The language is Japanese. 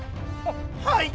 はい。